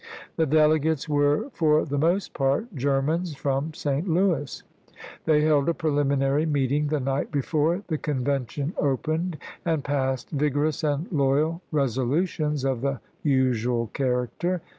The delegates were for the most part Germans from St. Louis. They held a preliminary meeting the night before the Convention opened, and passed vigorous and loyal resolutions of the usual character.